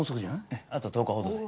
ええあと１０日ほどで。